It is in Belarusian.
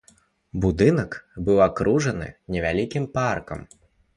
Будынак быў акружаны невялікім паркам.